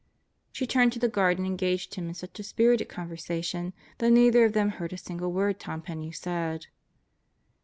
She turned to the guard and engaged him in such a spirited conversation that neither of them heard a single word Tom Penney said.